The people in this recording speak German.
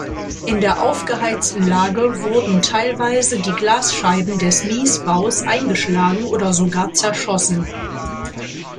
In der aufgeheizten Lage wurden teilweise die Glasscheiben des Mies-Baus eingeschlagen und sogar zerschossen.